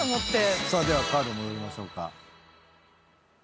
さあではカード戻りましょうか。